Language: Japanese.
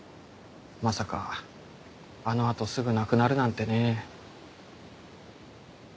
まさかあのあとすぐ亡くなるなんてね。